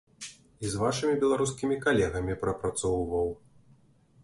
І з вашымі беларускімі калегамі прапрацоўваў.